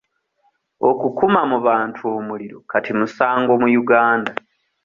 Okukuma mu bantu omuliro kati musango mu Uganda.